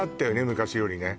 昔よりね